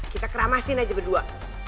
kita keramasin aja berdua